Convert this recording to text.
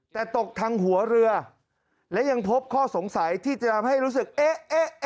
แต่ตกทางหัวเรือและยังพบข้อสงสัยที่จะทำให้รู้สึกเอ๊ะ